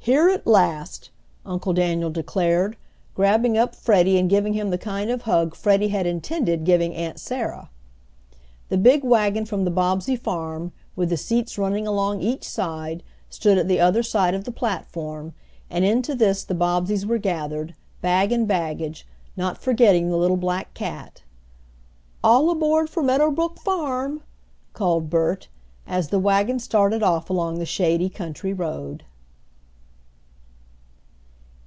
"Here at last!" Uncle Daniel declared, grabbing up Freddie and giving him the kind of hug Freddie had intended giving Aunt Sarah. The big wagon from the Bobbsey farm, with the seats running along each side, stood at the other side of the platform, and into this the Bobbseys were gathered, bag and baggage, not forgetting the little black cat. "All aboard for Meadow Brook farm!" called Bert, as the wagon started off along the shady country road.